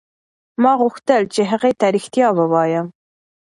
ما غوښتل چې هغې ته رښتیا ووایم.